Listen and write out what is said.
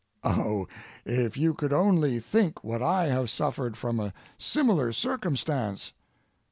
Oh! if you could only think what I have suffered from a similar circumstance.